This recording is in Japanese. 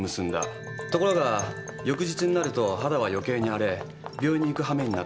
ところが翌日になると肌は余計に荒れ病院に行くはめになった。